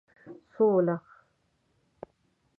سوله